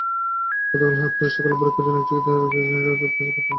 গতকাল সকালে পরীক্ষার জন্য তাঁকে গ্রিন রোডের একটি হাসপাতালে পাঠান এখানকার চিকিৎসকেরা।